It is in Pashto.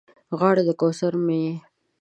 غاړه د کوثر مې یې